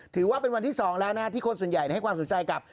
ถือว่าเป็นวันที่๒แล้วนะที่คนส่วนใหญ่ให้ความสนใจกับ